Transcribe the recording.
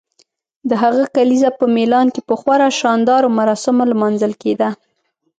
د هغه کلیزه په میلان کې په خورا شاندارو مراسمو لمانځل کیده.